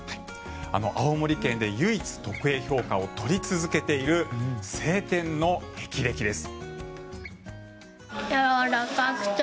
青森県で唯一特Ａ評価を取り続けている青天の霹靂です。